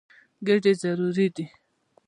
ګېډې ضروري دي.